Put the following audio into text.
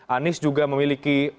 anies juga memiliki usia